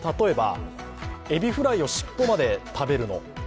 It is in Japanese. エビフライを尻尾まで食べるの。